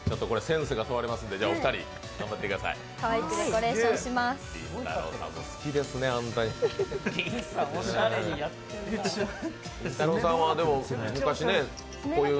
センスが問われますので、お二人、頑張ってください。